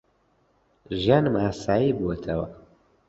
ژیانم ئاسایی بووەتەوە.